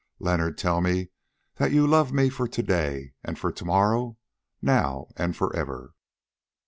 Leonard, tell me that you love me for to day and for to morrow, now and for ever."